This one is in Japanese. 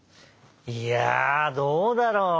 いやあどうだろう？